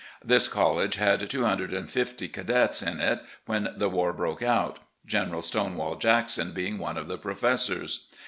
This college had 250 cadets in it when the war broke out. General 'Stonewall' Jackson being one of the professors.